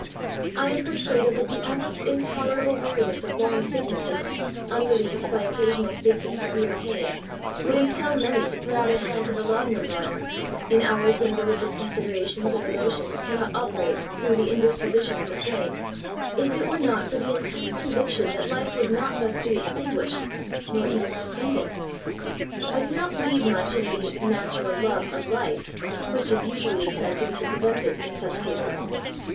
I am persuaded that the almost mtolerable weariness of long sicknesses, unre lieved by occasional fits of severe pain, would impel many to put out a hand to the laudanum bottle, in hours when religious considerations and emotions cannot operate through the indisposition of the frame, if it were, not for the intense convic tion that life would not thus be extinguished, nor even suspended. I do not believe much in the BBATH TO THE INVALID. 109 ^^ natural love of life/* which is usually said to be the preventive in such cases.